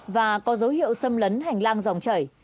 và có dấu hiệu xâm lấn hành lang dòng chảy